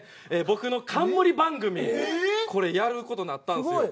僕の冠番組やることになったんですよ。